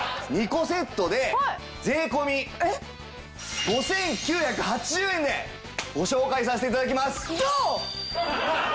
２個セットで税込５９８０円でご紹介させて頂きます！